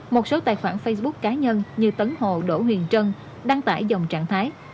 một số tài khoản facebook cá nhân như tấn hồ đỗ huyền trân đăng tải dòng trạng thái